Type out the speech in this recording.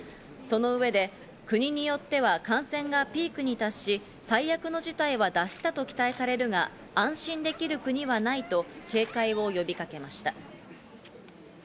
その上で国によっては感染がピークに達し、最悪の事態は脱したと期待されるが、安心できる国はないと警戒を呼びかけました。